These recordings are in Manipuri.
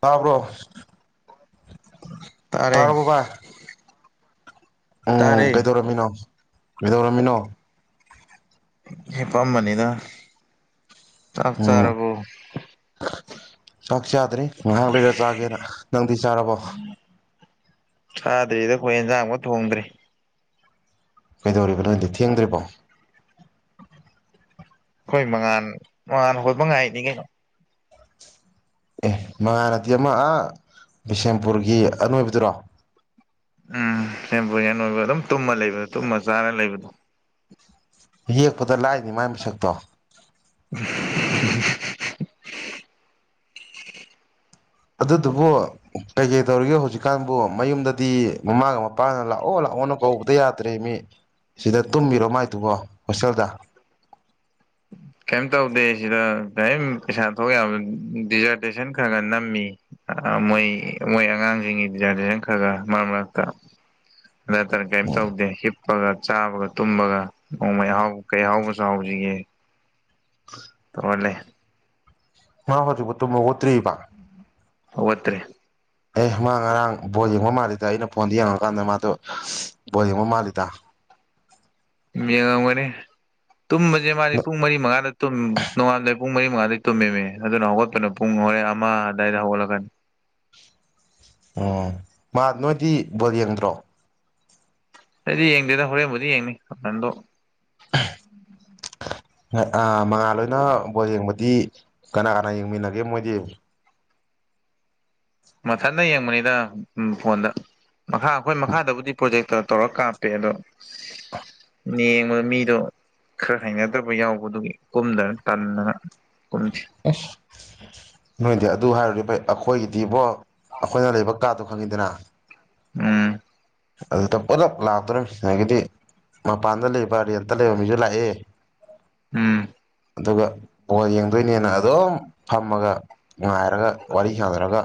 ꯇꯥꯕ꯭ꯔꯣ [inaudible] ꯊꯥꯔꯣꯔꯕꯕꯥ ꯎꯝ ꯇꯥꯔꯦ ꯀꯩꯗꯧꯔꯝꯃꯤꯅꯣ ꯀꯩꯗꯧꯔꯝꯃꯤꯅꯣ ꯍꯄꯥꯝꯕꯅꯤꯅ ꯆꯥꯛ ꯎꯝ ꯆꯥꯔꯕꯨ ꯆꯥꯛ ꯆꯥꯗ꯭ꯔꯦ ꯉꯥꯏꯍꯥꯛ ꯂꯩꯔ ꯆꯥꯒꯦꯅ ꯅꯪꯗꯤ ꯆꯥꯔꯕꯣ ꯆꯥꯗ꯭ꯔꯤꯗ ꯑꯩꯈꯣꯏ ꯏꯟꯁꯥꯡ ꯐꯥꯎ ꯊꯣꯡꯗ꯭ꯔꯤ ꯀꯩꯗꯧꯔꯤꯕꯅꯣ ꯊꯦꯡꯗ꯭ꯔꯤꯕꯣ ꯑꯩꯈꯣꯏ ꯃꯉꯥꯥꯟ ꯃꯉꯥꯟ ꯍꯈꯣꯏ ꯃꯉꯥꯏꯅꯤ ꯀꯩꯅꯣ ꯑꯦ ꯃꯉꯥꯅꯠꯇꯤ ꯑꯃ ꯕꯤꯁꯦꯝꯄꯨꯔꯒꯤ ꯑꯅꯣꯏꯕꯗꯨꯔꯣ ꯎꯝ ꯍꯦꯝꯕꯨꯌꯦꯟ ꯑꯣꯏꯕ ꯑꯗꯨꯝ ꯇꯨꯝꯃ ꯂꯩꯕꯗ ꯇꯨꯝꯃ ꯆꯥꯔ ꯂꯩꯕꯗꯣ ꯌꯦꯛꯄꯗ ꯂꯥꯛꯏꯅꯤ ꯃꯥꯏ ꯃꯁꯛꯇꯣ [unintelligible] ꯑꯗꯨꯗꯨꯕꯨ ꯀꯩ ꯀꯩ ꯇꯧꯔꯤꯒꯦ ꯍꯧꯖꯤꯛꯀꯥꯟꯕꯨ ꯃꯌꯨꯝꯗꯗꯤ ꯃꯃꯥꯒ ꯄꯥꯅ ꯂꯥꯛꯑꯣ ꯂꯥꯛꯑꯣꯅ ꯀꯧꯕꯗ ꯌꯥꯗ꯭ꯔꯦ ꯃꯤ ꯁꯤꯗ ꯇꯨꯝꯃꯤꯔꯣ ꯃꯥꯏꯗꯨꯕꯣ ꯍꯣꯁꯇꯦꯜꯗ ꯀꯩꯝ ꯇꯧꯗꯦ ꯁꯤꯗ ꯀ ꯄꯩꯁꯥ ꯊꯣꯛ ꯌꯥꯕ ꯗꯤꯖꯔꯇꯦꯁꯟ ꯈꯔ ꯈꯔ ꯅꯝꯃꯤ ꯃꯣꯏ ꯃꯣꯏ ꯑꯉꯥꯡꯁꯤꯡꯒꯤ ꯗꯤꯖꯥꯔꯚꯦꯁꯟ ꯈꯔ ꯈꯔ ꯃꯔꯛ ꯃꯔꯛꯇ ꯅꯠꯇꯅ ꯀꯩꯝꯇ ꯇꯧꯗꯦꯞ ꯀꯞꯄꯒ ꯆꯥꯕꯒ ꯇꯨꯝꯕꯒ ꯅꯣꯡꯃꯩ ꯑꯍꯥꯎꯕ ꯀꯩ ꯑꯍꯥꯎꯕꯁꯨ ꯍꯥꯎꯁꯤꯒꯦ ꯇꯔꯂꯦ ꯃꯥ ꯍꯧꯖꯤꯛꯕꯨꯠꯇꯨꯝꯕ ꯑꯣꯠꯇ꯭ꯔꯤꯔꯤꯕꯕ ꯍꯠꯇꯔꯤ ꯑꯦ ꯃꯥ ꯉꯔꯥꯡ ꯕꯣꯜ ꯌꯦꯡꯕ ꯃꯥꯜꯂꯤꯗ ꯑꯩꯅ ꯐꯣꯟꯗ ꯌꯦꯡꯉꯀꯥꯟꯗ ꯃꯥꯗꯣ ꯕꯣꯜ ꯌꯦꯡꯕ ꯃꯥꯜꯂꯤꯗ ꯌꯦꯡꯉꯝꯒꯅꯤ ꯇꯨꯝꯕꯁꯦ ꯃꯥꯗꯤ ꯄꯨꯡ ꯃꯔꯤ ꯃꯉꯥꯗ ꯇꯨꯝ ꯅꯣꯡꯉꯜ ꯄꯨꯡ ꯃꯔꯤ ꯃꯉꯥꯗ ꯇꯨꯝꯃꯤꯃꯦ ꯑꯗꯨꯅ ꯍꯧꯒꯠꯄꯅ ꯄꯨꯡ ꯍꯣꯔꯦ ꯑꯃ ꯑꯗꯨꯋꯥꯏꯗ ꯍꯧꯒꯠꯂꯛꯀꯅꯤ [unintelligible] ꯑꯣ ꯃꯥ ꯅꯣꯏꯗꯤ ꯕꯣꯜ ꯌꯦꯡꯗ꯭ꯔꯣ ꯑꯩꯗꯤ ꯌꯦꯡꯗꯦꯗ ꯍꯣꯔꯦꯟꯕꯨꯗꯤ ꯌꯦꯡꯅꯤ ꯑꯥ ꯃꯉꯥꯜ ꯂꯣꯏꯅ ꯕꯣꯜ ꯌꯦꯡꯕꯗꯤ ꯀꯅꯥ ꯀꯅꯥ ꯌꯦꯡꯃꯤꯟꯅꯒꯦ ꯃꯣꯏꯗꯤ ꯃꯊꯟꯇ ꯌꯦꯡꯕꯅꯤꯗ ꯎꯝ ꯐꯣꯟꯗ ꯃꯈꯥ ꯑꯩꯈꯣꯏ ꯃꯈꯥꯗꯕꯨꯗꯤ ꯄ꯭ꯔꯣꯖꯦꯛꯇ ꯇꯧꯔꯒ ꯀꯥꯞꯄꯦ ꯑꯗꯣ ꯌꯦꯡꯕꯗ ꯃꯤꯗꯣ ꯈꯔ ꯍꯩꯅꯗꯕ ꯌꯥꯎꯕꯗꯨꯒꯤ ꯀꯨꯝꯗꯅ ꯇꯟꯗꯅ ꯀꯨꯝꯗꯦ ꯅꯣꯏꯗꯤ ꯑꯗꯨ ꯍꯥꯏꯔꯗꯤ ꯑꯩꯈꯣꯏꯒꯤꯗꯤꯕꯣ ꯑꯩꯈꯣꯏꯅ ꯂꯩꯕ ꯀꯥꯗꯣ ꯈꯪꯉꯤꯗꯅ ꯎꯝ ꯑꯗꯨꯗ ꯄꯨꯂꯞ ꯂꯥꯛꯇꯨꯔꯤꯝ ꯑꯗꯒꯤꯗꯤ ꯃꯄꯥꯟꯗ ꯂꯩꯕꯔ ꯑꯤꯟꯇ ꯂꯩꯕ ꯃꯤꯁꯨ ꯂꯥꯛꯑꯦ ꯎꯝ ꯑꯗꯨꯒ ꯕꯣꯜ ꯌꯦꯡꯗꯣꯏꯅꯦꯅ ꯑꯗꯨꯝ ꯐꯝꯃꯒ ꯉꯥꯏꯔꯒ ꯋꯥꯔꯤ ꯁꯥꯟꯅꯔꯒ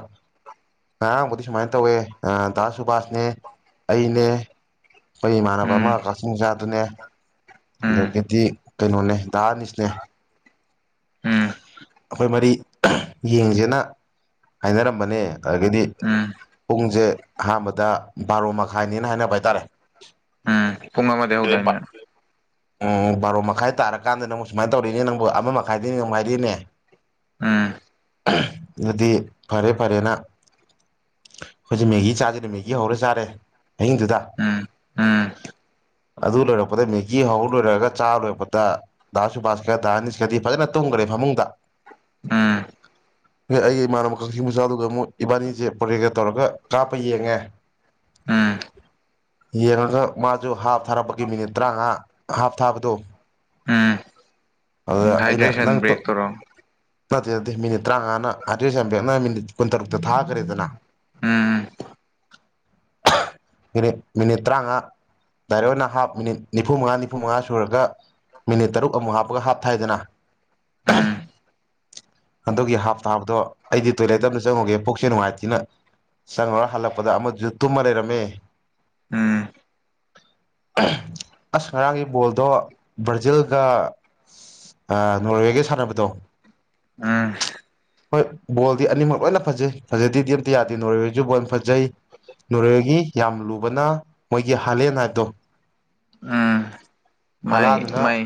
ꯉꯔꯥꯡꯕꯨꯗꯤ ꯁꯨꯃꯥꯏꯅ ꯇꯧꯋꯦ ꯗꯥ ꯁꯨꯕꯥꯁꯅꯦ ꯑꯩꯅꯦ ꯑꯩꯈꯣꯏ ꯏꯃꯥꯟꯅꯕ ꯎꯝ ꯑꯃ ꯀꯛꯆꯤꯡ ꯃꯆꯥꯗꯨꯅꯦ ꯎꯝ ꯑꯗꯒꯤꯗꯤ ꯀꯩꯅꯣꯅꯦ ꯗꯥꯑꯅꯤꯁꯅꯦ ꯎꯝ ꯑꯩꯈꯣꯏ ꯃꯔꯤ ꯌꯦꯡꯁꯦꯅ ꯍꯥꯏꯅꯔꯝꯕꯅꯦ ꯑꯗꯒꯤꯗꯤ ꯎꯝ ꯄꯨꯡꯁꯦ ꯑꯍꯥꯟꯕꯗ ꯕꯥꯔꯣ ꯃꯈꯥꯏꯅꯦꯅ ꯍꯥꯏꯅꯕ ꯍꯥꯏꯇꯥꯔꯦ ꯎꯝ ꯄꯨꯡ ꯑꯃꯗꯩ ꯍꯧꯗꯥꯢꯅꯦ ꯎꯝ ꯕꯥꯔꯣ ꯃꯈꯥꯏ ꯇꯥꯔꯀꯥꯟꯗ ꯅꯪ ꯁꯨꯃꯥꯏꯅ ꯇꯧꯔꯤꯅꯦ ꯅꯪꯕꯨ ꯑꯃ ꯃꯈꯥꯏꯗꯅꯦ ꯑꯃꯨꯛ ꯍꯥꯢꯔꯛꯌꯦꯅꯦ ꯑꯝ ꯑꯗꯨꯗꯤ ꯐꯔꯦ ꯐꯔꯦꯅ ꯑꯩꯈꯣꯏꯖꯤ ꯃꯦꯒꯤ ꯆꯥꯁꯤꯅꯦ ꯃꯦꯒꯤ ꯍꯧꯔꯦ ꯆꯥꯔꯦ ꯑꯍꯤꯡꯗꯨꯗ ꯎꯝ ꯎꯝ ꯑꯗꯨ ꯂꯣꯢꯔꯛꯄꯗ ꯃꯦꯀꯤ ꯍꯧ ꯂꯣꯏꯔꯒ ꯆꯥ ꯂꯣꯏꯔꯛꯄꯗ ꯗꯥꯟꯁ ꯁꯨꯕꯥꯟꯁ ꯈꯔ ꯗꯥꯟꯁꯅꯤꯁ ꯈꯗꯤ ꯐꯖꯅ ꯇꯨꯝꯈꯔꯦ ꯐꯃꯨꯡꯗ ꯑꯝ ꯑꯩꯒꯤ ꯏꯃꯥꯟꯅꯕ ꯀꯛꯆꯤꯡ ꯃꯆꯥꯗꯨ ꯑꯃꯨꯛ ꯏꯕꯥꯅꯤꯁꯦ ꯄꯣꯔꯦꯒ ꯇꯧꯔꯒ ꯀꯥꯞꯄ ꯌꯦꯡꯉꯦ ꯎꯝ ꯌꯦꯡꯉꯒ ꯃꯥꯁꯨ ꯍꯥꯞ ꯊꯥꯔꯛꯄꯒꯤ ꯃꯤꯅꯤꯠ ꯇꯔꯥꯃꯉꯥ ꯍꯥꯞ ꯊꯥꯕꯗꯣ ꯎꯝ ꯑꯗꯨꯗ ꯑꯩꯅ ꯅꯪ ꯍꯥꯏꯗ꯭ꯔꯦꯁꯟ ꯕ꯭ꯔꯦꯛꯇꯨꯔꯣ ꯅꯠꯇꯦ ꯅꯠꯇꯦ ꯃꯤꯅꯤꯠ ꯇꯔꯥꯃꯉꯥꯅ ꯑꯥꯗ꯭ꯔꯦꯁ ꯑꯕꯦꯛꯅ ꯃꯤꯅꯤꯠ ꯀꯨꯟꯇꯔꯨꯛꯇ ꯐꯈ꯭ꯔꯦꯗꯅ ꯎꯝ ꯃꯤꯅꯤ ꯃꯤꯅꯤꯠ ꯇꯔꯥꯉꯥ ꯗꯥꯏꯔꯦꯛ ꯑꯣꯏꯅ ꯍꯥꯐ ꯃꯤꯅꯤꯠ ꯅꯤꯐꯨ ꯃꯉꯥ ꯃꯅꯤꯐꯨ ꯃꯉꯥ ꯁꯨꯔꯒ ꯃꯤꯅꯤꯠ ꯇꯔꯨꯛ ꯑꯃꯨꯛ ꯍꯥꯞꯄꯒ ꯍꯥꯞ ꯊꯥꯏꯗꯅ ꯎꯝ ꯑꯗꯨꯒꯤ ꯍꯥꯞ ꯊꯥꯕꯗꯣ ꯑꯩꯗꯤ ꯇꯣꯏꯂꯦꯠꯇ ꯑꯃꯝꯇ ꯆꯪꯉꯨꯒꯦ ꯄꯨꯛꯁꯦ ꯅꯨꯡꯉꯥꯏꯇꯦꯅ ꯆꯪꯉꯨꯔ ꯍꯜꯂꯛꯄꯗ ꯑꯃꯗꯨꯁꯨ ꯇꯨꯝꯃ ꯂꯩꯔꯝꯃꯦ ꯎꯝ ꯑꯁ ꯉꯔꯥꯡꯒꯤ ꯕꯣꯜꯗꯣ ꯕ꯭ꯔꯥꯖꯤꯜꯒ ꯅꯣꯔꯋꯦꯒꯤ ꯁꯥꯟꯅꯕꯗꯣ ꯑꯝ ꯍꯣꯏ ꯕꯣꯜꯗꯤ ꯑꯅꯤꯃꯛ ꯂꯣꯏꯅ ꯐꯖꯩ ꯐꯖꯗꯦꯗꯤ ꯑꯝꯇ ꯌꯥꯗꯦ ꯅꯣꯏ ꯑꯣꯏꯔꯁꯨ ꯕꯣꯜ ꯐꯖꯩ ꯅꯣꯔꯦꯒꯤ ꯌꯥꯝ ꯂꯨꯕꯅ ꯃꯣꯏꯒꯤ ꯍꯥꯂꯦꯟ ꯍꯥꯏꯕꯗꯣ ꯑꯝ ꯍꯂꯥꯟꯗꯨꯅ ꯃꯥꯏ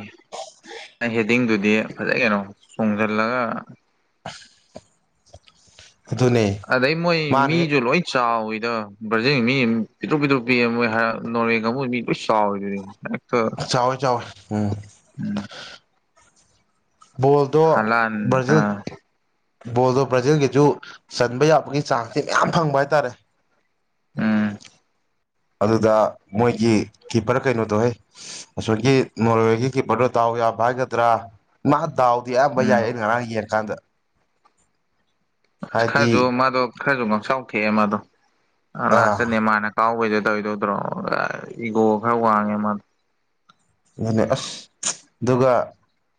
ꯍꯦꯗꯤꯡꯗꯨꯗꯤ ꯐꯖꯩ ꯀꯩꯅꯣ ꯆꯣꯡꯖꯜꯂꯒ [inaudible] ꯑꯗꯨꯅꯦ ꯑꯗ ꯃꯣꯏ ꯃꯥꯅ ꯍꯦꯛ ꯃꯤꯁꯨ ꯂꯣ ꯆꯥ ꯗ ꯕ꯭ꯔꯥꯖꯤꯟ ꯃꯤ ꯄꯤꯊꯣꯛ ꯄꯤꯊꯣꯛ ꯄꯤ ꯃꯣꯏ ꯅꯣꯔꯋꯦꯒꯕ ꯃꯤ ꯂꯣꯏ ꯆꯥꯎꯋꯦꯗꯨꯗꯤ ꯆꯥꯎꯋꯣꯏ ꯆꯋꯣꯏ ꯎꯝ ꯕꯣꯜꯗꯣ ꯍꯂꯥꯟ ꯕ꯭ꯔꯖꯤꯜ ꯑꯥ ꯕꯣꯜꯗꯣ ꯕ꯭ꯔꯥꯖꯤꯜꯒꯤꯁꯨ ꯆꯟꯕ ꯌꯥꯕꯒꯤ ꯆꯥꯟꯁꯇꯤ ꯃꯌꯥꯝ ꯐꯪꯕ ꯍꯥꯏꯇꯥꯔꯦ ꯑꯝ ꯑꯗꯨꯗ ꯃꯣꯏꯒꯤ ꯀꯤꯞꯄꯔ ꯀꯩꯅꯣꯗꯧꯍ ꯑꯁꯣꯏꯒꯤ ꯅꯣꯔꯋꯦꯒꯤ ꯀꯤꯞꯄꯔꯗꯣ ꯇ ꯎ ꯌꯥ ꯍꯥꯏꯒꯗ꯭ꯔꯥ ꯃꯥ ꯗꯥꯎ ꯎꯝ ꯕꯩꯅꯤ ꯉ ꯌꯦꯀꯥꯟꯗ ꯑꯁ ꯈꯔꯁꯨ ꯃꯥꯗꯣ ꯈꯔꯁꯨ ꯉꯥꯎꯁꯥꯎ ꯊꯦꯛꯑꯦ ꯃꯥꯗꯣ ꯑ ꯂꯥꯁꯇꯅꯦ ꯃꯥꯅ ꯀꯥꯎꯕꯩꯗꯦ ꯇꯧꯗꯣꯏꯗ꯭ꯔꯣ ꯏꯒꯣ ꯈꯔ ꯋꯥꯡꯉꯦ ꯃꯥꯗꯣ ꯑꯗꯨꯅꯦ ꯑꯁ ꯗꯨꯒ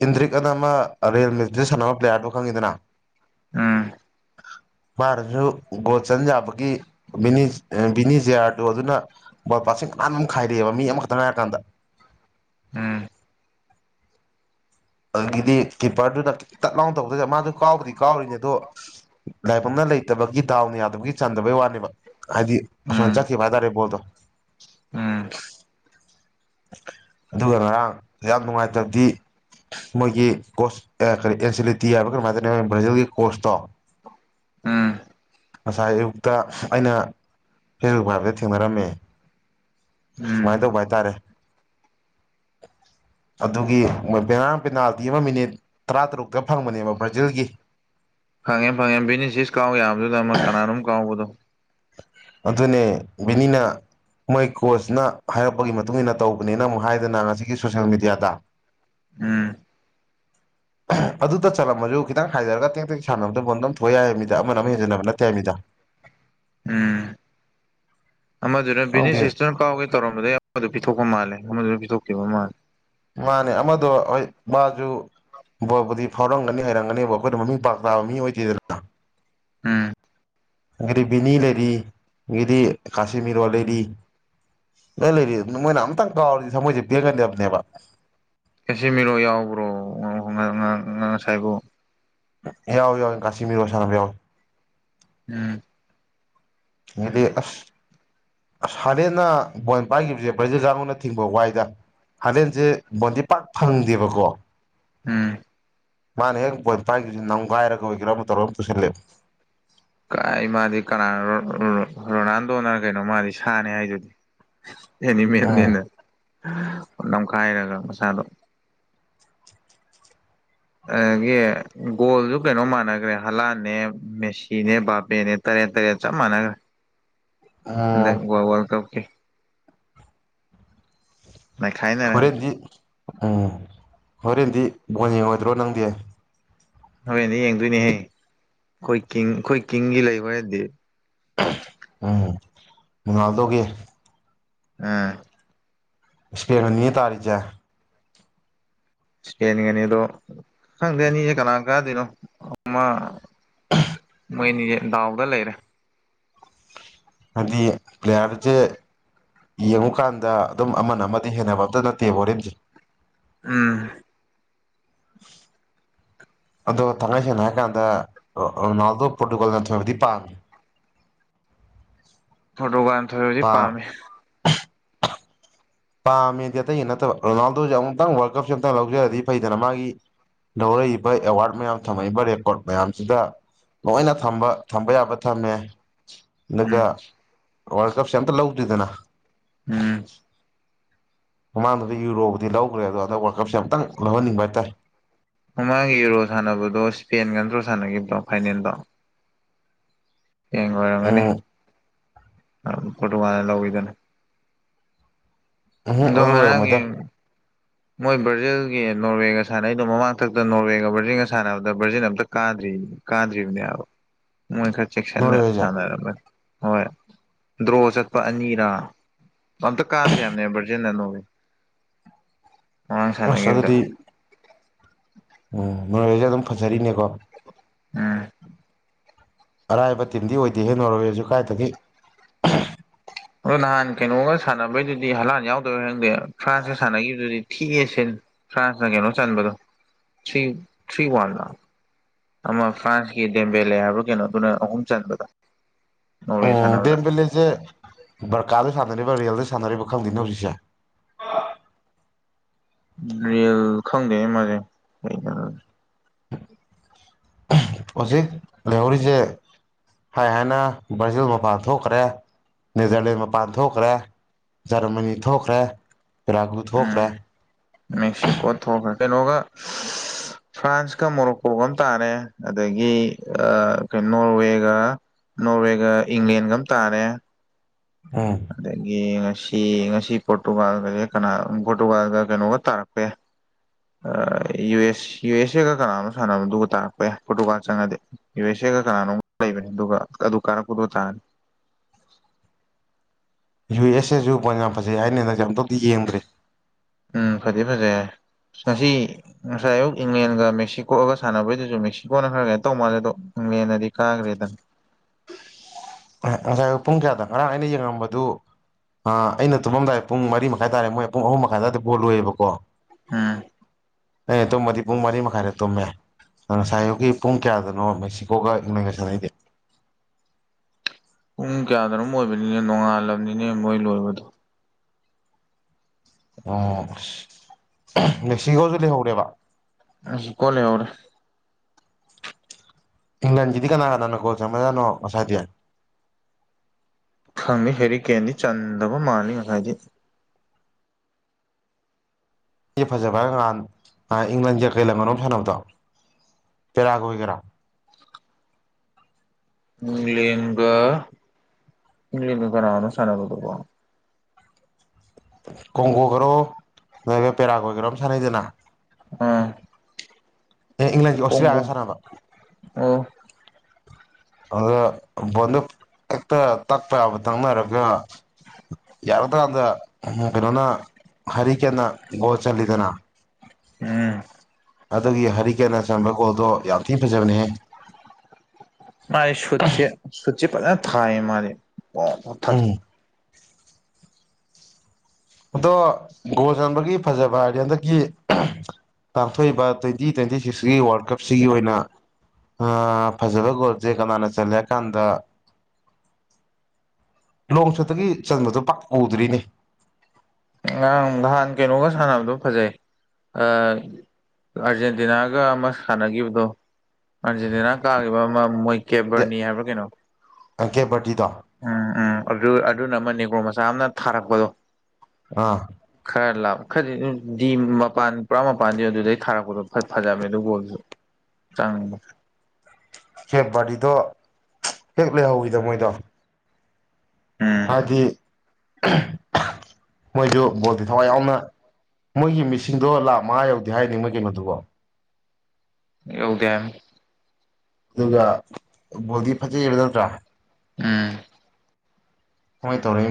ꯏꯟꯗ꯭ꯔꯤꯛ ꯑꯅ ꯑꯃ ꯔꯤꯌꯦꯜ ꯃꯖꯤ ꯁꯥꯟꯅꯕ ꯄ꯭ꯂꯦꯌꯥꯔꯗꯣ ꯈꯪꯉꯤꯗꯅ ꯎꯝ ꯃꯥꯔꯁꯨ ꯒꯣꯜ ꯆꯟ ꯌꯕꯒꯤ ꯕꯤꯅꯤ ꯖꯦ ꯑꯥꯔ ꯇꯨ ꯑꯗꯨꯅ ꯕꯣꯜ ꯄꯁꯤꯡ ꯑꯥꯟ ꯑꯃ ꯈꯥꯏꯔꯛꯑꯦꯕ ꯃꯤ ꯑꯃꯈꯛꯇꯪ ꯍꯥꯏꯔꯀꯥꯟꯗ ꯍ [inaudible] ꯑꯗꯒꯤꯗꯤ ꯀꯤꯞꯄꯔꯗꯨꯅ ꯇꯠ ꯂꯥꯎꯅ ꯇꯧꯗꯣꯏ ꯃꯥꯁꯨ ꯀꯥꯎꯕꯗꯤ ꯀꯥꯎꯔꯤꯅꯦ ꯑꯗꯣ [inaudible] ꯂꯥꯏ ꯄꯨꯝꯅ ꯂꯩꯇꯕꯒꯤ ꯗꯥꯎꯅ ꯌꯥꯗꯕꯒꯤ ꯆꯟꯗꯕꯩ ꯋꯥꯅꯦꯕ ꯍꯥꯏꯗꯤ ꯎꯝ ꯑꯁꯃꯥꯏꯅ ꯆꯠꯈꯤꯕ ꯍꯥꯏꯇꯥꯔꯦ ꯕꯣꯜꯗꯣ ꯎꯝ ꯑꯗꯨꯒ ꯉꯔꯥꯡ ꯌꯥꯝ ꯅꯨꯡꯉꯥꯏꯇꯕꯗꯤ ꯃꯣꯏꯒꯤ ꯀꯣꯔꯁ ꯀꯔꯤ ꯑꯦꯟ ꯁꯤꯂꯤ ꯇꯤ ꯍꯥꯏꯕ ꯀꯔꯃꯥꯏꯅ ꯇꯧꯅꯣ ꯚꯖꯦꯜꯒꯤ ꯀꯣꯔꯁꯇꯣ ꯍ ꯉꯁꯥꯏ ꯑꯌꯨꯛꯇ ꯑꯩꯅ ꯐꯦꯁꯕꯨꯛ ꯍꯥꯏꯕꯗ ꯊꯦꯡꯅꯔꯝꯃꯦ ꯎꯝ ꯁꯨꯃꯥꯏꯅ ꯇꯧꯕ ꯍꯥꯏꯇꯥꯔꯦ [unintelligible] ꯑꯗꯨꯒꯤ ꯕꯦꯔꯝ ꯄꯦꯅꯥꯜꯇꯤ ꯑꯃ ꯃꯤꯅꯤꯠ ꯇꯔꯥꯇꯔꯨꯛꯇ ꯐꯪꯕꯅꯦꯕ ꯕ꯭ꯔꯥꯖꯤꯜꯒꯤ ꯐꯪꯉꯦ ꯐꯪꯉꯦ ꯕꯤꯅꯤ ꯁꯤꯁ ꯀꯥꯎ ꯌꯥꯕꯗꯨꯗ ꯑꯃꯨꯛ ꯀꯅꯥꯅꯣꯝ ꯀꯥꯎꯕꯗꯣ ꯑꯗꯨꯅꯦ ꯕꯅꯤꯅ ꯃꯣꯏ ꯀꯣꯆꯅ ꯍꯥꯏꯔꯛꯄꯒꯤ ꯃꯇꯨꯡ ꯃꯇꯨꯡꯏꯟꯅ ꯇꯧꯕꯅꯦꯅ ꯑꯃꯨꯛ ꯍꯥꯏꯗꯅ ꯉꯁꯤꯒꯤ ꯁꯣꯁꯦꯜ ꯃꯦꯗꯤꯌꯥꯗ ꯎꯝ ꯑꯗꯨꯇ ꯆꯠꯂꯝꯃꯁꯨ ꯈꯤꯇꯪ ꯍꯥꯏꯗꯔꯒ ꯇꯦꯛ ꯇꯦꯛ ꯁꯥꯟꯅꯕꯗ ꯃꯣꯟ ꯑꯗꯨꯝ ꯊꯣꯏ ꯌꯥꯏ ꯍꯥꯏꯕꯅꯤꯗ ꯑꯃꯅ ꯑꯃ ꯍꯦꯟꯖꯟꯅꯕ ꯅꯠꯇꯦ ꯍꯥꯏꯃꯤꯗ [inaudible] ꯎꯝ ꯑꯃꯗꯨꯅ ꯈꯪꯗꯦ ꯕꯤꯅꯦꯁꯤꯁꯇꯨꯅ ꯀꯥꯎꯒꯦ ꯇꯧꯔꯝꯕꯗꯩ ꯑꯃꯗꯨ ꯄꯤꯊꯣꯛꯄ ꯃꯥꯜꯂꯦ ꯑꯃꯗꯨꯅ ꯄꯤꯊꯣꯛꯈꯤꯕ ꯃꯥꯜꯂꯦ ꯃꯥꯅꯦ ꯑꯃꯗꯣ ꯍꯣꯏ ꯃꯥꯕꯥꯖꯨ ꯕꯣꯕꯨꯗꯤ ꯐꯥꯎꯔꯝꯒꯅꯤ ꯍꯩꯔꯝꯒꯅꯤꯕꯣ ꯑꯩꯈꯣꯏꯅ ꯃꯃꯤꯡ ꯄꯥꯛ ꯇꯥꯕ ꯃꯤ ꯑꯣꯏꯗꯦꯗꯅ ꯎꯝ ꯗꯤ ꯕꯤꯅꯤ ꯂꯩꯔꯤꯒꯦꯗꯤ ꯀꯁꯤꯃꯤꯔ ꯋꯥꯂꯦꯔꯤ ꯅ ꯂꯩꯔꯤ ꯃꯣꯏꯅ ꯑꯝꯇꯪ ꯀꯥꯎꯔꯗꯤ ꯊꯃꯣꯏꯁꯦ ꯄꯦꯡꯒꯟꯗꯦꯕꯅꯦꯕ ꯑꯦꯁꯤ ꯃꯤꯔꯣ ꯌꯥꯎꯕ꯭ꯔꯣ ꯉ ꯉꯥꯡ ꯉ ꯁꯥꯏꯕꯨꯣ ꯌꯥꯎ ꯌꯥꯎ ꯀꯁꯤꯃꯤꯔꯣꯁꯅ ꯌꯥꯎ ꯎꯝ ꯌꯦꯗꯤ ꯑꯁ ꯑꯁ ꯍꯗꯦꯅ ꯕꯣꯏ ꯄꯥꯏꯈꯤꯕꯁꯦ ꯄ꯭ꯔꯖ ꯥꯉꯅ ꯊꯤꯡꯕ ꯋꯥꯏꯗ ꯍꯗꯦꯟꯁꯦ ꯕꯣꯟꯗꯤꯦ ꯄꯥꯛ ꯐꯪꯗꯦꯕꯀꯣ ꯎꯝ ꯃꯥꯅꯦ ꯍꯦꯛ ꯄꯣꯏ ꯄꯥꯏꯈꯤꯕꯁꯤ ꯅꯪꯒꯥꯏꯔꯒ ꯑꯣꯏꯒꯦꯔꯥ ꯑꯃ ꯇꯧꯔꯒ ꯑꯃ ꯄꯨꯁꯤꯜꯂꯦꯕ ꯑꯩ ꯃꯥꯗꯤ ꯀꯅꯥꯅꯣ ꯔꯣꯅꯥꯜꯗꯣꯅ ꯀꯩꯅꯣ ꯃꯥꯗꯤ ꯁꯥꯅꯤ ꯍꯥꯏꯗꯨꯗꯤ [inaudible] ꯎꯝ ꯑꯦꯅꯤꯃꯦꯜꯅꯦꯅ ꯅꯝꯈꯥꯏꯔꯒ ꯃꯁꯥꯗꯣ ꯑꯗꯒꯤ ꯒꯣꯜꯁꯨ ꯀꯩꯅꯣ ꯃꯥꯟꯅꯈ꯭ꯔꯦ ꯍꯂꯥꯟꯅꯦ ꯃꯦꯁꯤꯅꯦ ꯕꯥꯄꯦꯅꯦ ꯇꯔꯦꯠ ꯄꯦꯔꯦꯟ ꯆꯥꯞ ꯃꯅꯒꯔꯦ ꯋꯥꯔꯜ ꯎꯝ ꯋꯥꯔꯜ ꯀꯞꯀꯤ ꯅꯩꯈꯥꯏꯅꯔꯅꯤ ꯍꯣꯔꯦꯟꯗꯤ ꯎꯝ ꯍꯣꯔꯦꯟꯗꯤ ꯕꯣꯟ ꯌꯦꯡꯉꯣꯏꯗ꯭ꯔꯣ ꯅꯪꯗꯤ ꯍꯣꯔꯦꯟꯗꯤ ꯌꯦꯡꯗꯣꯏꯅꯤꯍꯦ ꯑꯩꯈꯣꯏ ꯀꯤꯡ ꯑꯩꯈꯣꯏ ꯀꯤꯡꯒꯤ ꯂꯩ ꯍꯣꯔꯦꯟꯗꯤ ꯎꯝ ꯃꯨꯅꯥꯜꯗꯣꯒꯤ ꯑꯥ ꯏꯁꯄꯦꯟ ꯒꯄꯤꯅꯦ ꯇꯥꯔꯤꯁꯦ ꯏꯁꯄꯦꯟꯒꯅꯤ ꯑꯗꯣ ꯈꯪꯗꯦ ꯑꯅꯤꯁꯦ ꯀꯅꯥ ꯀꯥꯗꯣꯏꯅꯣ ꯑꯃ [inaudible] ꯃꯣꯏꯅꯤꯁꯦ ꯗꯥꯎꯗ ꯂꯩꯔꯦ ꯍꯥꯏꯗꯤ ꯄ꯭ꯂꯦꯌꯥꯔꯁꯦ ꯌꯦꯡꯉꯨꯀꯥꯟꯗ ꯑꯗꯨꯝ ꯑꯃꯅ ꯑꯃꯗꯩ ꯍꯦꯟꯅꯕ ꯑꯝꯇ ꯅꯠꯇꯦꯕ ꯍꯣꯔꯦꯟꯁꯦ ꯑꯝ [inaudible] ꯑꯗꯣ ꯇꯥꯡꯉꯥꯏꯁꯤꯅ ꯍꯥꯏ ꯀꯥꯟꯗ ꯅꯗꯣ ꯄꯨꯀꯣꯜꯅꯗꯤꯄꯥ ꯄꯣꯔꯇꯨꯒꯜꯅ ꯊꯣꯏꯕꯗꯤ ꯄꯥꯝꯃꯤ ꯄꯥꯝꯃꯦꯗꯤ ꯑꯇꯩꯒꯤ ꯅꯠꯇꯕ ꯔꯣꯅꯥꯜꯗꯣꯁꯦ ꯑꯃꯨꯛꯇꯪ ꯋꯥꯔꯜ ꯀꯞꯁꯦ ꯑꯨꯛꯇꯪ ꯂꯧꯖꯔꯗꯤ ꯐꯩꯗꯅ ꯃꯥꯒꯤ ꯂꯧꯔꯛꯏꯕ ꯑꯦꯋꯥꯔꯠ ꯃꯌꯥꯝ ꯊꯝꯃꯛꯏꯕ ꯔꯦꯀꯣꯔꯠ ꯃꯌꯥꯝꯁꯤꯗ ꯂꯣꯏꯅ ꯊꯝꯕ ꯊꯝꯕ ꯌꯥꯕ ꯊꯝꯃꯦ ꯎꯝ ꯑꯗꯨꯒ ꯋꯥꯔꯜ ꯀꯞꯁꯦ ꯑꯝꯇ ꯂꯧꯗꯔꯤꯗꯅ ꯎꯝ ꯃꯃꯥꯡꯗꯗ ꯌꯨꯔꯣꯕꯨꯗꯤ ꯂꯧꯈ꯭ꯔꯦ ꯑꯗꯣ ꯍꯟꯗꯛ ꯋꯥꯔꯜ ꯀꯞꯁꯦ ꯑꯃꯨꯛꯇꯪ ꯂꯧꯍꯟꯅꯤꯡꯕ ꯍꯥꯏꯇꯥꯔꯦ ꯃꯃꯥꯡꯒꯤ ꯌꯨꯔꯣ ꯁꯥꯟꯅꯕꯗꯣ ꯏꯁꯄꯦꯟꯒ ꯅꯠꯇ꯭ꯔꯣ ꯁꯥꯟꯅꯈꯤꯕꯗꯣ ꯐꯥꯏꯅꯦꯜꯗꯣ ꯍꯌꯦꯡ ꯑꯣꯏꯔꯝꯒꯅꯤ ꯎꯝ ꯐꯣꯠꯇꯨꯀꯥꯟꯅ ꯂꯧꯕꯤꯗꯅ ꯎꯝ ꯑꯗꯨ ꯑꯣꯏꯔꯝꯃꯣꯏꯗ ꯍꯣꯏ ꯕ꯭ꯔꯥꯖꯤꯜꯒꯤ ꯅꯣꯔꯋꯦꯒ ꯁꯥꯟꯅꯩꯗꯣ ꯃꯃꯥꯡꯊꯛꯇ ꯅꯣꯔꯋꯦꯒ ꯕ꯭ꯔꯖꯤꯜꯒ ꯁꯥꯟꯅꯕꯗ ꯕ꯭ꯔꯥꯖꯤꯜ ꯑꯝꯇ ꯀꯥꯗ꯭ꯔꯤ ꯀꯥꯗ꯭ꯔꯤꯕꯅꯦ ꯍꯥꯏꯕ ꯃꯣꯏ ꯈꯔ ꯆꯦꯛꯁꯤꯟꯅ ꯅꯣꯔꯋꯦꯁꯦ ꯁꯥꯟꯅꯔꯝꯝꯕꯅꯤ ꯍꯣꯏ ꯗ꯭ꯔꯣ ꯆꯠꯄ ꯑꯅꯤꯔꯥ ꯅꯇ ꯀꯥꯗꯔꯤ ꯌꯥꯝꯅꯤꯕ ꯆꯟꯅ ꯅꯣꯦ ꯃꯉꯥꯡ ꯑꯁ ꯁꯥꯟꯅꯈꯤꯕꯗ ꯑꯗꯨꯗꯤ ꯎꯝ ꯅꯣꯏꯔꯁꯦ ꯑꯗꯨꯝ ꯐꯖꯔꯤꯅꯦꯀꯣ ꯑꯝ ꯑꯔꯥꯏꯕ ꯇꯤꯝꯗꯤ ꯑꯣꯏꯗꯦ ꯍꯦ ꯅꯣꯔꯋꯦꯁꯨ ꯀꯥꯏꯗꯒꯤ ꯑꯗꯣ ꯅꯍꯥꯟ ꯀꯩꯅꯣꯒ ꯁꯥꯟꯅꯕꯩꯗꯨꯗꯤ ꯍꯂꯥꯟ ꯌꯥꯎꯗꯕ ꯈꯪꯗꯦ ꯐ꯭ꯔꯥꯟꯁꯀ ꯁꯥꯟꯅꯈꯤꯕꯗꯨꯗꯤ ꯊꯤꯑꯁꯦꯅ ꯐ꯭ꯔꯥꯟꯁꯅ ꯀꯩꯅꯣ ꯆꯟꯕꯗ ꯊꯔꯤ ꯊ꯭ꯔꯤ ꯋꯥꯟꯂ ꯑꯃ ꯐ꯭ꯔꯥꯟꯁꯀꯤ ꯗꯦꯝꯕꯦꯂꯦ ꯍꯥꯏꯕ ꯀꯩꯅꯣꯗꯨꯅ ꯑꯍꯨꯝ ꯆꯟꯕꯗ ꯎꯝ ꯇꯦꯝ ꯄꯦꯂꯁꯦ ꯔꯀꯥꯗ ꯁ ꯁꯥꯟꯅꯔꯤꯕ ꯔꯦꯜꯗ ꯁꯥꯟꯅꯔꯤꯕ ꯈꯪꯗꯦꯅꯦ ꯍꯧꯖꯤꯛꯁꯦ ꯔꯤꯌꯦꯜ ꯈꯪꯗꯦ ꯃꯥꯖꯦ ꯍꯧꯖꯤꯛ ꯂꯩꯍꯧꯔꯤꯁꯦ ꯍꯥꯏ ꯍꯥꯏꯅ ꯕ꯭ꯔꯥꯖꯤꯜ ꯃꯄꯥꯟ ꯊꯣꯛꯈ꯭ꯔꯦ ꯅꯦꯗꯔꯂꯦꯟ ꯃꯄꯥꯟ ꯊꯣꯛꯈ꯭ꯔꯦ ꯖꯔꯃꯅꯤ ꯊꯣꯛꯈ꯭ꯔꯦ ꯔꯥꯒꯨ ꯎꯝ ꯊꯣꯛꯈ꯭ꯔꯦ ꯃꯦꯛꯁꯤꯀꯣ ꯊꯣꯛꯈ꯭ꯔꯦ ꯀꯩꯅꯣꯒ ꯐ꯭ꯔꯥꯟꯁꯀ ꯃꯣꯔꯣꯀꯣꯒ ꯑꯃ ꯇꯥꯔꯦ ꯑꯗꯒꯤ ꯀꯣ ꯅꯣꯔꯋꯦꯒ ꯅꯣꯔꯋꯦꯒ ꯏꯪꯂꯦꯟꯒ ꯑꯃ ꯇꯥꯔꯦ ꯎꯝ ꯑꯗꯒꯤ ꯁꯤ ꯉꯁꯤ ꯄꯣꯔꯇꯨꯒꯥꯜꯒ ꯀꯅꯥ ꯄꯣꯔꯇꯨꯒꯥꯜꯒ ꯀꯩꯅꯣꯒ ꯇꯥꯔꯛꯄ ꯌꯥꯏ ꯌꯨ ꯑꯦꯁ ꯌꯨ ꯑꯦꯁ ꯑꯦꯒ ꯀꯅꯥ ꯑꯃ ꯁꯥꯟꯅꯕꯗꯨꯒ ꯇꯥꯔꯛꯄ ꯌꯥꯏ ꯄꯣꯔꯇꯨꯒꯥꯜ ꯆꯪꯉꯗꯤ ꯌꯨ ꯑꯦꯁ ꯑꯦ ꯆꯦꯒ ꯀꯅꯥꯅꯣ ꯂꯩꯕꯅꯦ ꯑꯗꯨꯒ ꯑꯗꯨ ꯀꯥꯔꯛꯄꯗꯣ ꯇꯥꯅꯤ ꯌꯨ ꯑꯦꯁ ꯑꯦꯁꯨ ꯄꯣꯟ ꯌꯥꯝ ꯐꯖꯩ ꯍꯥꯏꯩꯅ ꯍꯟꯗꯛꯁ ꯑꯝꯇꯗꯤ ꯌꯦꯡꯗ꯭ꯔꯦ ꯎꯝ ꯐꯗꯤꯦ ꯐꯖꯦ ꯉꯁꯤ ꯉꯁꯥꯏ ꯑꯌꯨꯛ ꯏꯪꯂꯦꯟꯒ ꯃꯦꯛꯁꯤꯀꯣꯒ ꯁꯥꯟꯅꯕꯩꯗꯨꯁꯨ ꯃꯦꯛꯁꯤꯀꯣꯅ ꯈꯔ ꯀꯩꯅ ꯇꯧ ꯃꯥꯜꯂꯦꯗꯣ ꯅꯗꯤ ꯀꯥꯒꯋꯦꯗꯟ ꯉꯁꯥꯏ ꯑ ꯄꯨꯡ ꯀꯌꯥꯗ ꯉꯔꯥꯡ ꯑꯩꯅ ꯌꯦꯡꯉꯝꯕꯗꯨ ꯑ ꯑꯩꯅ ꯇꯨꯝꯃꯝꯗꯥꯏ ꯄꯨꯡ ꯃꯔꯤ ꯃꯈꯥꯏ ꯇꯥꯔꯦ ꯃꯣꯏ ꯄꯨꯡ ꯑꯍꯨꯝ ꯃꯈꯥꯏꯗꯗꯤ ꯄꯣꯜꯂꯨꯣꯏꯦꯕꯀꯣ ꯑꯝ ꯑ ꯇꯨꯝꯃꯗꯤ ꯄꯨꯡ ꯃꯔꯤ ꯃꯈꯥꯏꯅꯦ ꯇꯨꯝꯃꯦ ꯑꯗꯨ ꯉ ꯁꯥꯏꯌꯨꯒꯤ ꯄꯨꯡ ꯀꯌꯥꯗꯅꯣ ꯃꯦꯛꯁꯤꯀꯣꯒ ꯌꯅꯒꯁꯥꯟꯅꯩꯗꯦ ꯄꯨꯡ ꯀꯌꯥꯗꯔꯣꯝ ꯑꯣꯏꯕꯅꯤꯅꯦ ꯅꯣꯡꯉꯥꯜꯂꯕꯅꯤꯅꯦ ꯃꯣꯏ ꯂꯣꯏꯕꯗꯣ ꯑꯣ ꯅꯦꯛꯁꯤꯒꯥꯎꯁꯤ ꯂꯩꯍꯧꯔꯦꯕ ꯀꯣꯅꯦꯔ ꯏꯤꯗꯤ ꯀꯥꯟꯅꯥ ꯀ ꯅꯅ ꯀꯣꯁꯦ ꯃꯖꯥ ꯅꯣ ꯑꯁ ꯈꯪꯅꯤ ꯍꯦꯔꯤ ꯀꯦꯟꯗꯤ ꯆꯟꯗꯕ ꯃꯥꯅꯤ ꯍꯥꯏꯗꯤ ꯁꯤ ꯐꯖꯕ꯭ꯔꯥ ꯉꯍꯥꯟ ꯏꯪꯂꯦꯟꯒꯤ ꯀꯩ ꯂꯝꯃꯅꯣꯝ ꯁꯥꯟꯅꯕꯗꯣ ꯇꯔꯥꯒ ꯑꯣꯏꯒꯦꯔꯥ ꯏꯪꯂꯒ ꯏꯪꯂ ꯀꯅꯥꯅ ꯁꯅꯗ ꯀꯣꯡꯒꯣꯈ꯭ꯔꯣ ꯅ ꯄꯦꯔꯥ ꯀꯣꯏꯈ꯭ꯔꯣ ꯑꯃ ꯁꯅꯗꯅꯅꯥ ꯑꯥ ꯑꯦ ꯏꯪꯂꯦꯟꯒꯤ ꯀꯣꯡꯒꯣ ꯑꯣꯁꯇ꯭ꯔꯦꯂꯤꯌꯥꯒ ꯁꯥꯔꯅꯕ ꯑꯣ ꯑꯗꯨ ꯕꯣꯟꯗꯣ ꯍꯦꯛꯇ ꯇꯛꯄ ꯌꯥꯕ ꯇꯛꯅꯔꯒ ꯌꯥꯔꯗ꯭ꯔꯀꯥꯟꯗ ꯀꯩꯅꯣꯅ ꯍꯔꯤ ꯀꯦꯅ ꯒꯣ ꯆꯜꯂꯤꯗꯅ ꯑꯝ ꯑꯗꯨꯒꯤ ꯍꯔꯤ ꯀꯅ ꯆꯝꯕ ꯀꯣꯜꯗꯣ ꯌꯥꯝ ꯊꯤꯅ ꯐꯖꯕꯅꯦꯍ ꯃꯥꯔ ꯁꯨꯦ ꯁꯨꯦ ꯄ ꯊꯥꯏ ꯃꯥꯔꯦ ꯊꯥꯖ ꯎꯝ ꯑꯗꯣ ꯒꯣ ꯆꯟꯕꯒꯤ ꯐꯖꯕ ꯍꯥꯏꯔꯗꯤ ꯍꯟꯗꯛꯀꯤ ꯇꯥꯡꯊꯣꯛꯏꯕ ꯇ꯭ꯋꯦꯟꯇꯤ ꯇ꯭ꯋꯦꯟꯇꯤ ꯁꯤꯛꯁꯀꯤ ꯋꯥꯔꯜ ꯀꯞꯁꯤꯒꯤ ꯑꯣꯏꯅ ꯑ ꯐꯖꯕ ꯒꯣꯜꯁꯦ ꯀꯅꯥꯅ ꯆꯜꯂꯦꯀꯥꯟꯗ [inaudible] ꯅꯣꯡꯆꯠꯇꯒꯤ ꯆꯟꯕꯗꯨꯣ ꯄꯥꯛ ꯎꯗ꯭ꯔꯤꯅꯦ ꯉꯔꯥꯡ ꯅꯍꯥꯟ ꯀꯩꯅꯣꯒ ꯁꯥꯟꯅꯕꯗꯣ ꯐꯖꯩ ꯑꯥꯔꯖꯦꯟꯇꯤꯅꯥꯒ ꯑꯃ ꯁꯥꯟꯅꯈꯤꯕꯗꯣ ꯑꯥꯔꯖꯦꯟꯇꯤꯅꯥ ꯀꯥꯈꯤꯕ ꯑꯃ ꯃꯣꯏꯀꯦ ꯕꯔꯅꯤ ꯍꯥꯏꯕ꯭ꯔꯥ ꯀꯩꯅꯣ ꯑꯪꯦꯕꯇꯗꯤꯗ ꯎꯝ ꯎꯝ ꯑꯗꯨ ꯑꯗꯨꯅ ꯑꯃꯅꯤꯅꯦꯀꯣ ꯃꯆꯥ ꯑꯃꯅ ꯊꯥꯔꯛꯄꯗꯣ ꯑꯥ ꯈꯔ ꯂ ꯈꯗꯤ ꯗꯤ ꯃꯄꯥꯟ ꯄꯨꯔꯥ ꯃꯄꯥꯟꯗꯤ ꯑꯗꯨꯗꯩ ꯊꯥꯔꯛꯄꯗꯣ ꯐꯖꯕꯅꯦ ꯑꯗꯨꯒ ꯣꯜꯁꯨ ꯆꯥꯡꯉ ꯁꯦ ꯕꯥꯔꯤꯗꯣ ꯍꯦꯛ ꯂꯩꯍꯧꯋꯤꯗ ꯃꯣꯏꯗꯣ ꯎꯝ ꯍꯥꯏꯕꯗꯤ ꯃꯣꯏꯁꯨ ꯕꯣꯜꯇꯤ ꯊꯋꯥꯏ ꯌꯥꯎꯅ ꯃꯣꯏꯒꯤ ꯃꯤꯁꯤꯡꯗꯣ ꯂꯥ ꯃꯥꯥ ꯌꯧꯗꯦ ꯍꯥꯏꯅꯤꯡꯕꯒꯤꯩꯅꯣꯗꯨꯕꯣ ꯌꯎꯗ ꯑꯗꯨꯒ ꯣꯗꯤ ꯐꯠꯇꯗꯅꯠꯇ꯭ꯔꯥ ꯎꯝ ꯍꯣꯏ ꯇꯔꯦ